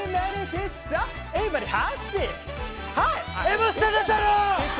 Ｍステ出てる。